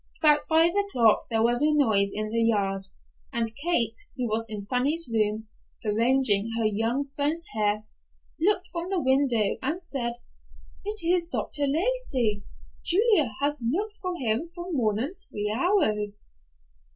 About five o'clock there was a noise in the yard, and Kate, who was in Fanny's room, arranging her young friend's hair, looked from the window and said, "It is Dr. Lacey. Julia has looked for him for more than three hours."